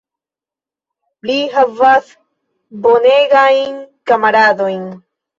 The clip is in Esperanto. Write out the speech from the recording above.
Li havas bonegajn kamaradojn.